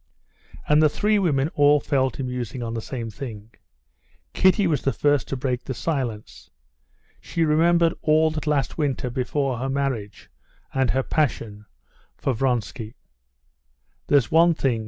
And the three women all fell to musing on the same thing. Kitty was the first to break the silence. She remembered all that last winter before her marriage, and her passion for Vronsky. "There's one thing